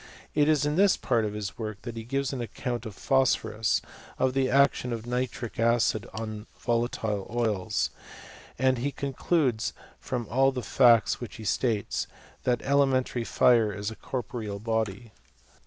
It is in this part of his work that he gives an account of phos phorus, of the action of nitric acid on volatile oils, and he concludes, from all the facts which he states, that elementary fire is a corporeal body.